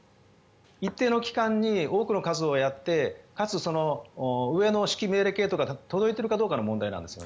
一定の期間に多くの数をやってかつ、上の指揮命令系統が届いているかどうかの問題なんです。